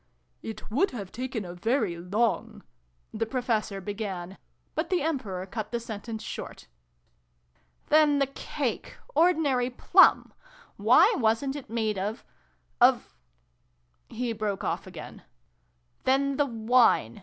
" It would have taken a very long " the Professor began, but the Emperor cut the sentence short. " Then the cake 1 Ordinary plum ! Why wasn't it made of of " He broke off again. " Then the wine